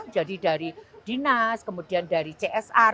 jadi dari dinas kemudian dari csr